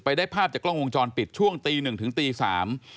ได้ภาพจากกล้องวงจรปิดช่วงตีหนึ่งถึงตีสาม